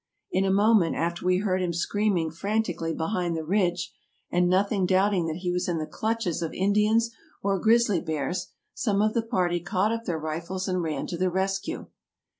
In a moment after we heard him screaming frantically behind the ridge, and nothing doubt ing that he was in the clutches of Indians or grizzly bears, some of the party caught up their rifles and ran to the rescue.